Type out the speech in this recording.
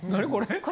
これ。